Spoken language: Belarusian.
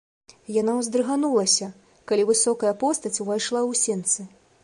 Яна ўздрыганулася, калі высокая постаць увайшла ў сенцы.